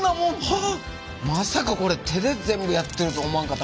まさかこれ手で全部やってると思わんかった。